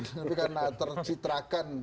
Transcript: tapi karena tercitrakan